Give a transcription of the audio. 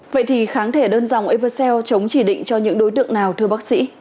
vậy thì kháng thể đơn dòng eversea chống chỉ định cho những đối tượng nào thưa bác sĩ